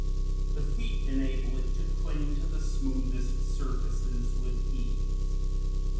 The feet (Fig. 220) enable it to cling to the smoothest surfaces with ease.